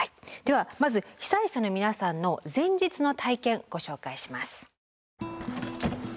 ではまず被災者の皆さんの前日の体験ご紹介します。